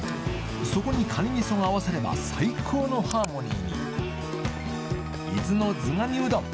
そこにカニミソが合わされば最高のハーモニーに伊豆のズガニうどん